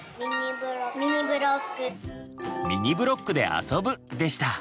「ミニブロックで遊ぶ」でした！